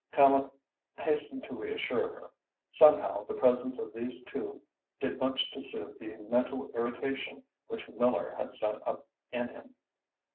Tallente hastened to reassure her. Somehow, the presence of these two did much to soothe the mental irritation which Miller had set up in him.